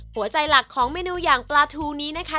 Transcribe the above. หลักของเมนูอย่างปลาทูนี้นะคะ